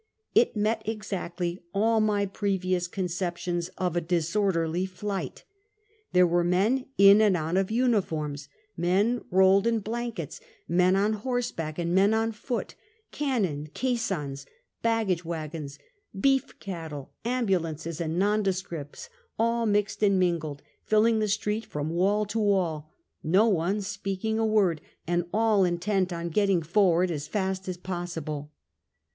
It met exactly all my previous conceptions of a disorderly flight. There were men in and out of uniform, men rolled in 332 Half a Centuky. blankets, men on horseback and men on foot, cannon, caisons, baggage wagons, beef cattle, ambulances and nondescripts, all mixed and mingled, filling the street from wall to wall ; no one speaking a word, and all intent on getting forward as fast as possible.